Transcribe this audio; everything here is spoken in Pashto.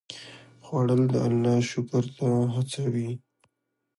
خوړل د الله شکر ته هڅوي